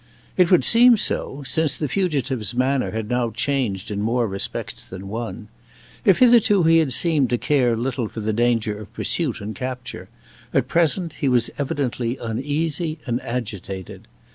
It would seem so, since the fugitive's manner had now changed in more respects than one. If hitherto he had seemed to care little for the danger of pursuit and capture, at present he was evidently uneasy and agitated.